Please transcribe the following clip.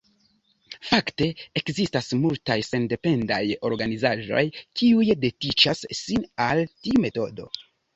Fakte, ekzistas multaj sendependaj organizaĵoj, kiuj dediĉas sin al tiu metodo.